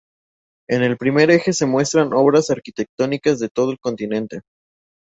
En el primer eje se muestran obras arquitectónicas de todo el continente.